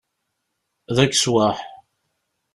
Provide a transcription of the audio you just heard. D akeswaḥ!